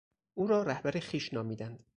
او را رهبر خویش نامیدند.